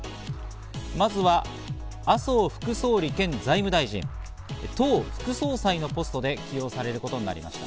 まずは麻生副総理兼財務大臣、党副総裁のポストで起用されることになりました。